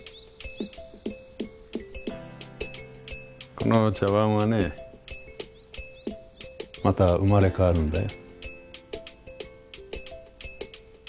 この茶わんはねまた生まれ変わるんだよ。